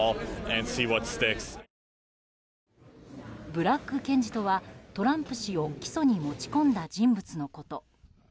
ブラッグ検事とはトランプ氏を起訴に持ち込んだ人物のこと。